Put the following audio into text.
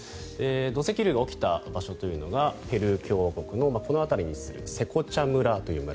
土石流が起きた場所というのがペルー共和国のこの辺りに位置するセコチャ村という村。